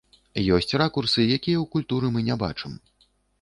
Ёсць ракурсы, якія ў культуры мы не бачым.